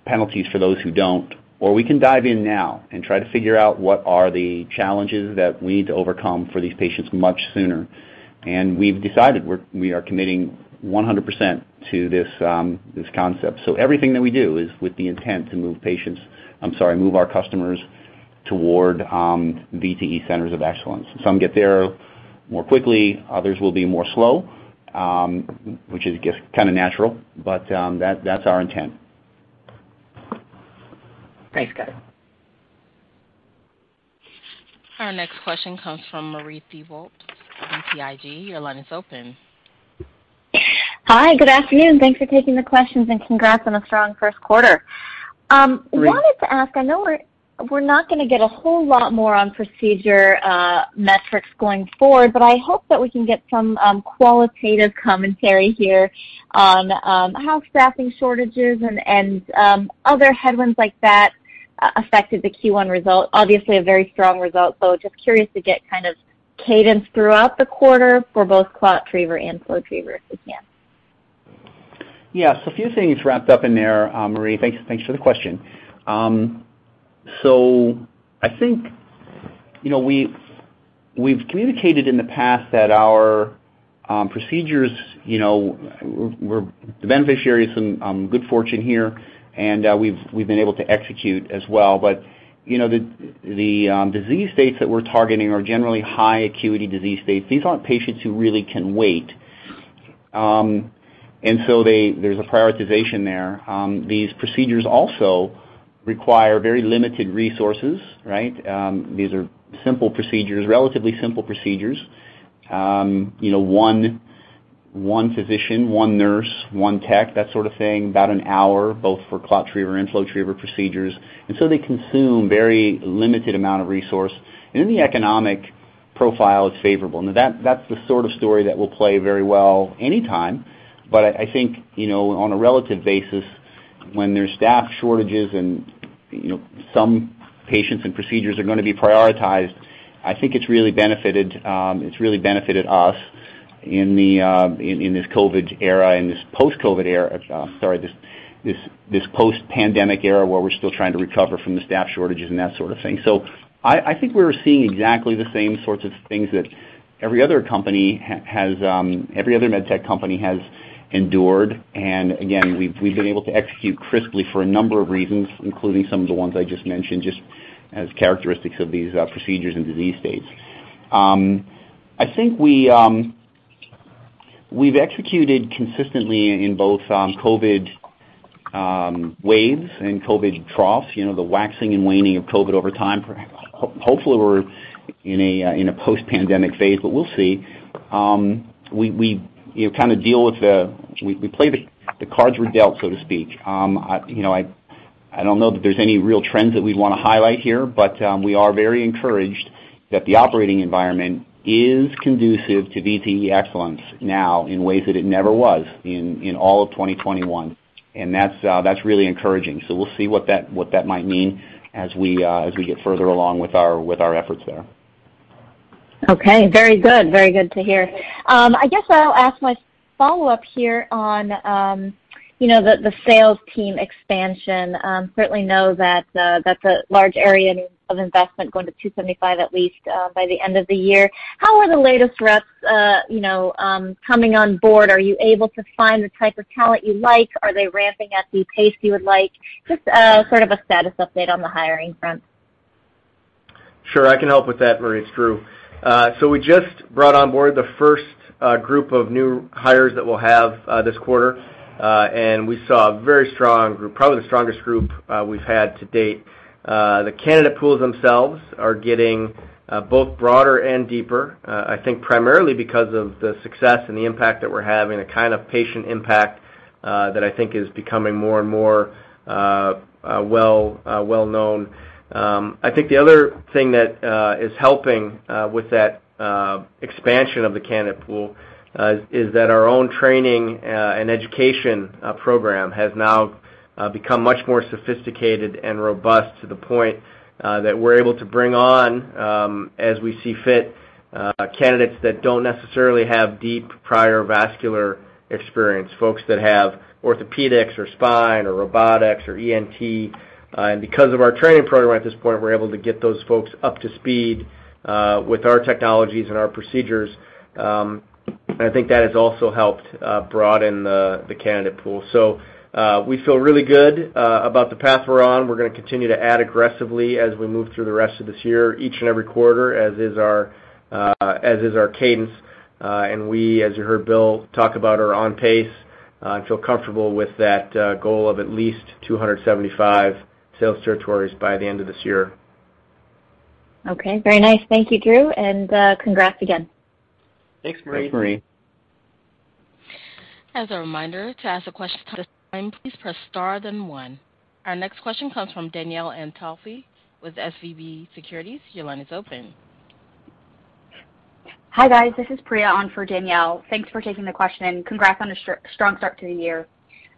penalties for those who don't. We can dive in now and try to figure out what are the challenges that we need to overcome for these patients much sooner. We've decided we are committing 100% to this concept. Everything that we do is with the intent to move our customers toward VTE centers of excellence. Some get there more quickly, others will be more slow, which is just kinda natural, but that's our intent. Thanks, Scott. Our next question comes from Marie Thibault, BTIG. Your line is open. Hi, good afternoon. Thanks for taking the questions and congrats on a strong first quarter. Marie. Wanted to ask, I know we're not gonna get a whole lot more on procedure metrics going forward, but I hope that we can get some qualitative commentary here on how staffing shortages and other headwinds like that affected the Q1 result. Obviously a very strong result, so just curious to get kind of cadence throughout the quarter for both ClotTriever and FlowTriever, if we can. Yeah. A few things wrapped up in there, Marie. Thanks for the question. I think, you know, we've communicated in the past that our procedures, you know, we're the beneficiaries from good fortune here, and we've been able to execute as well. You know, the disease states that we're targeting are generally high acuity disease states. These aren't patients who really can wait. There's a prioritization there. These procedures also require very limited resources, right? These are simple procedures, relatively simple procedures. You know, one physician, one nurse, one tech, that sort of thing, about an hour, both for ClotTriever and FlowTriever procedures. They consume very limited amount of resource, and then the economic profile is favorable. That's the sort of story that will play very well anytime. But I think, you know, on a relative basis, when there's staff shortages and, you know, some patients and procedures are gonna be prioritized, I think it's really benefited us in this COVID era, in this post-COVID era, this post-pandemic era where we're still trying to recover from the staff shortages and that sort of thing. I think we're seeing exactly the same sorts of things that every other med tech company has endured. Again, we've been able to execute crisply for a number of reasons, including some of the ones I just mentioned, just the characteristics of these procedures and disease states. I think we've executed consistently in both COVID waves and COVID troughs. You know, the waxing and waning of COVID over time. Hopefully we're in a post-pandemic phase, but we'll see. We, you know, kind of deal with the. We play the cards we're dealt, so to speak. I, you know, I don't know that there's any real trends that we'd wanna highlight here, but we are very encouraged that the operating environment is conducive to VTE Excellence now in ways that it never was in all of 2021. That's really encouraging. We'll see what that might mean as we get further along with our efforts there. Okay. Very good. Very good to hear. I guess I'll ask my follow-up here on, you know, the sales team expansion. Certainly know that that's a large area of investment going to 275, at least, by the end of the year. How are the latest reps, you know, coming on board? Are you able to find the type of talent you like? Are they ramping at the pace you would like? Just sort of a status update on the hiring front. Sure. I can help with that, Marie. It's Drew. We just brought on board the first group of new hires that we'll have this quarter. We saw a very strong group, probably the strongest group we've had to date. The candidate pools themselves are getting both broader and deeper. I think primarily because of the success and the impact that we're having, the kind of patient impact that I think is becoming more and more well known. I think the other thing that is helping with that expansion of the candidate pool is that our own training and education program has now become much more sophisticated and robust to the point that we're able to bring on, as we see fit, candidates that don't necessarily have deep prior vascular experience, folks that have orthopedics or spine or robotics or ENT. Because of our training program at this point, we're able to get those folks up to speed with our technologies and our procedures. I think that has also helped broaden the candidate pool. We feel really good about the path we're on. We're gonna continue to add aggressively as we move through the rest of this year, each and every quarter as is our cadence. We, as you heard Bill talk about, are on pace and feel comfortable with that goal of at least 275 sales territories by the end of this year. Okay. Very nice. Thank you, Drew, and, congrats again. Thanks, Marie. Thanks, Marie. As a reminder, to ask a question at this time, please press star then one. Our next question comes from Danielle Antalffy with SVB Securities. Your line is open. Hi, guys. This is Priya on for Danielle. Thanks for taking the question, and congrats on a strong start to the year.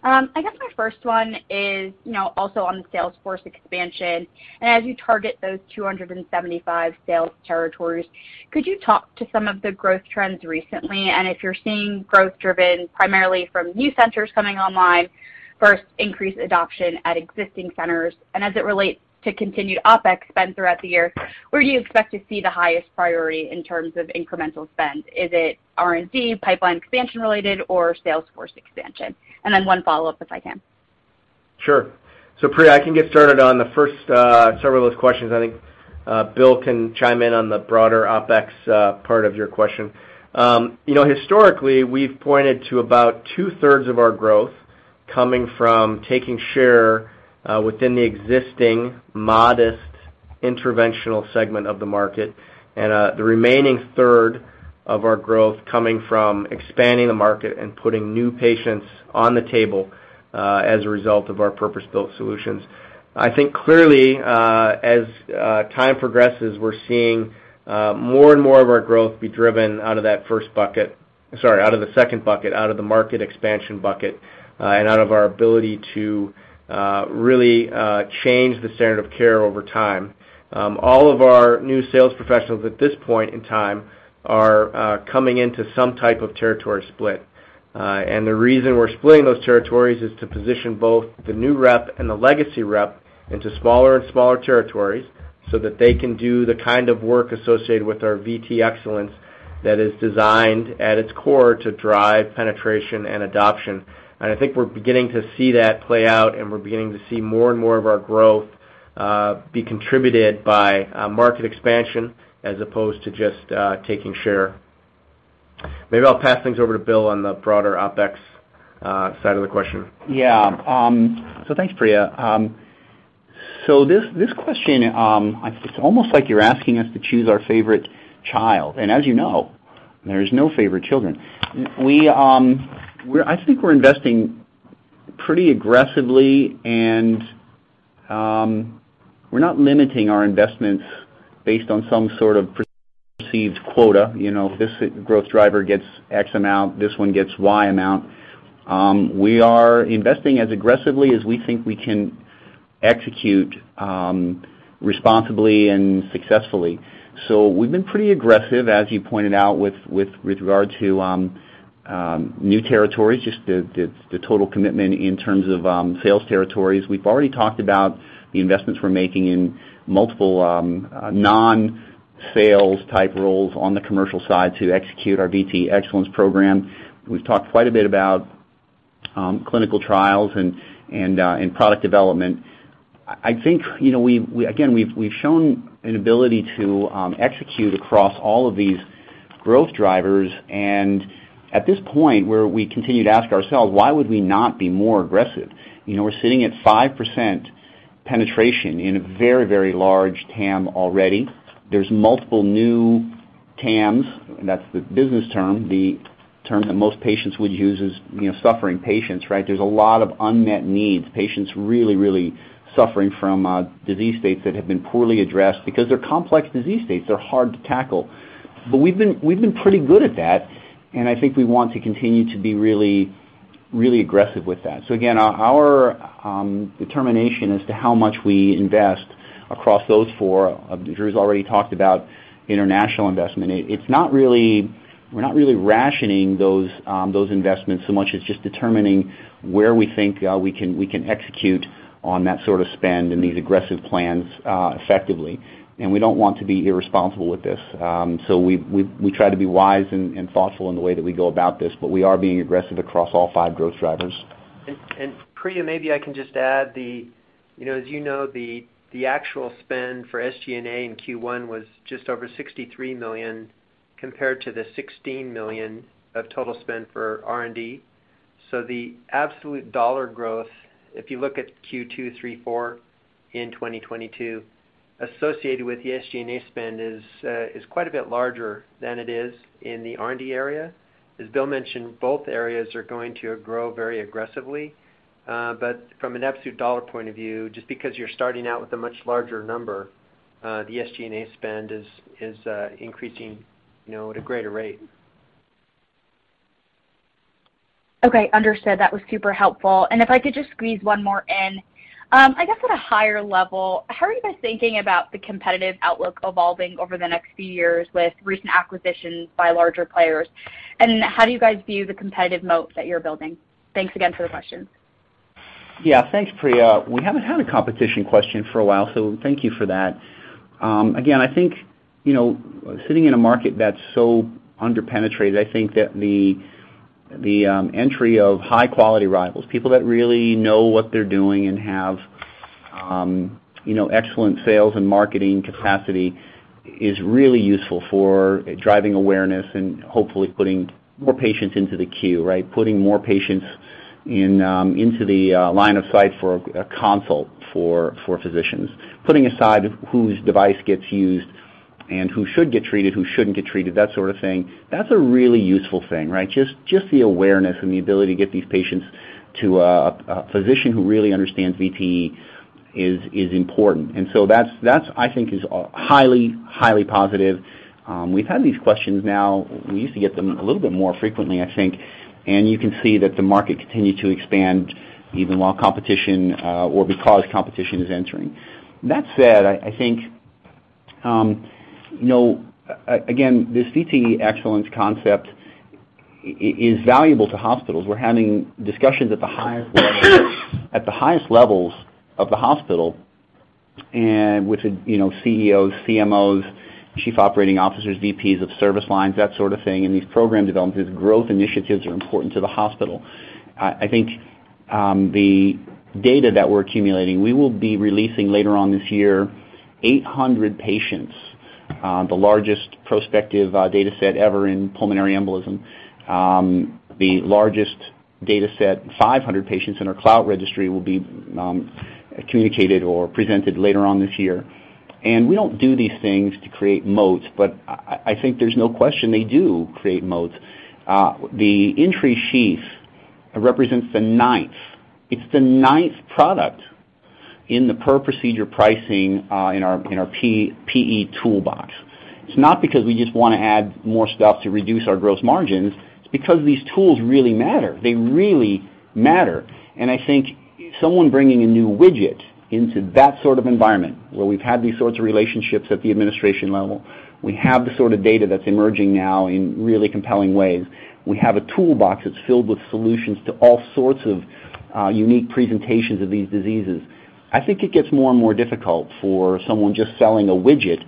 I guess my first one is, you know, also on the sales force expansion. As you target those 275 sales territories, could you talk to some of the growth trends recently? If you're seeing growth driven primarily from new centers coming online versus increased adoption at existing centers, and as it relates to continued OpEx spend throughout the year, where do you expect to see the highest priority in terms of incremental spend? Is it R&D, pipeline expansion related, or sales force expansion? Then one follow-up, if I can. Sure. Priya, I can get started on the first several of those questions. I think Bill can chime in on the broader OpEx part of your question. You know, historically, we've pointed to about 2/3 of our growth coming from taking share within the existing modest interventional segment of the market, and the remaining 1/3 of our growth coming from expanding the market and putting new patients on the table as a result of our purpose-built solutions. I think clearly as time progresses, we're seeing more and more of our growth be driven out of that first bucket, sorry, out of the second bucket, out of the market expansion bucket and out of our ability to really change the standard of care over time. All of our new sales professionals at this point in time are coming into some type of territory split. The reason we're splitting those territories is to position both the new rep and the legacy rep into smaller and smaller territories so that they can do the kind of work associated with our VTE Excellence that is designed at its core to drive penetration and adoption. I think we're beginning to see that play out, and we're beginning to see more and more of our growth be contributed by market expansion as opposed to just taking share. Maybe I'll pass things over to Bill on the broader OpEx side of the question. Yeah. Thanks, Priya. This question, it's almost like you're asking us to choose our favorite child. As you know, there's no favorite children. We think we're investing pretty aggressively, and we're not limiting our investments based on some sort of perceived quota. You know, this growth driver gets X amount, this one gets Y amount. We are investing as aggressively as we think we can execute responsibly and successfully. We've been pretty aggressive, as you pointed out, with regard to new territories, just the total commitment in terms of sales territories. We've already talked about the investments we're making in multiple non-sales type roles on the commercial side to execute our VTE Excellence program. We've talked quite a bit about clinical trials and product development. I think, you know, we've shown an ability to execute across all of these growth drivers. At this point, where we continue to ask ourselves, why would we not be more aggressive? You know, we're sitting at 5% penetration in a very, very large TAM already. There's multiple new TAMs, that's the business term. The term that most patients would use is, you know, suffering patients, right? There's a lot of unmet needs. Patients really, really suffering from disease states that have been poorly addressed because they're complex disease states. They're hard to tackle. We've been pretty good at that, and I think we want to continue to be really, really aggressive with that. Again, our determination as to how much we invest across those four. Drew's already talked about international investment. It's not really we're not really rationing those investments so much as just determining where we think we can execute on that sort of spend and these aggressive plans effectively. We don't want to be irresponsible with this. We try to be wise and thoughtful in the way that we go about this, but we are being aggressive across all five growth drivers. Priya, maybe I can just add the you know, as you know, the actual spend for SG&A in Q1 was just over $63 million compared to the $16 million of total spend for R&D. The absolute dollar growth, if you look at Q2, Q3, Q4 in 2022, associated with the SG&A spend is quite a bit larger than it is in the R&D area. As Bill mentioned, both areas are going to grow very aggressively. From an absolute dollar point of view, just because you're starting out with a much larger number, the SG&A spend is increasing you know at a greater rate. Okay, understood. That was super helpful. If I could just squeeze one more in. I guess at a higher level, how are you guys thinking about the competitive outlook evolving over the next few years with recent acquisitions by larger players? And how do you guys view the competitive moat that you're building? Thanks again for the question. Yeah. Thanks, Priya. We haven't had a competition question for a while, so thank you for that. Again, I think, you know, sitting in a market that's so under-penetrated, I think that the entry of high-quality rivals, people that really know what they're doing and have, you know, excellent sales and marketing capacity is really useful for driving awareness and hopefully putting more patients into the queue, right? Putting more patients into the line of sight for a consult for physicians. Putting aside whose device gets used and who should get treated, who shouldn't get treated, that sort of thing, that's a really useful thing, right? Just the awareness and the ability to get these patients to a physician who really understands VT is important. That's, I think, highly positive. We've had these questions now. We used to get them a little bit more frequently, I think, and you can see that the market continued to expand even while competition, or because competition is entering. That said, I think, you know, again, this VTE Excellence concept is valuable to hospitals. We're having discussions at the highest levels, at the highest levels of the hospital and with the, you know, CEOs, CMOs, chief operating officers, VPs of service lines, that sort of thing, and these program developments. Growth initiatives are important to the hospital. I think, the data that we're accumulating, we will be releasing later on this year 800 patients, the largest prospective, data set ever in pulmonary embolism. The largest data set, 500 patients in our CLOUT registry will be, communicated or presented later on this year. We don't do these things to create moats, but I think there's no question they do create moats. The entry sheath represents the ninth. It's the ninth product in the per procedure pricing in our PE toolbox. It's not because we just wanna add more stuff to reduce our gross margins, it's because these tools really matter. They really matter. I think someone bringing a new widget into that sort of environment where we've had these sorts of relationships at the administration level, we have the sort of data that's emerging now in really compelling ways. We have a toolbox that's filled with solutions to all sorts of unique presentations of these diseases. I think it gets more and more difficult for someone just selling a widget,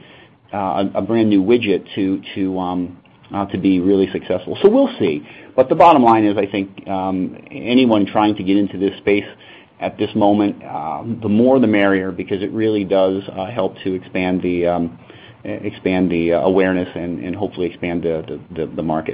a brand new widget to be really successful. We'll see. The bottom line is, I think, anyone trying to get into this space at this moment, the more the merrier because it really does help to expand the awareness and hopefully expand the market.